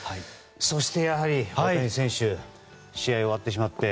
そして、やはり大谷選手試合が終わってしまって。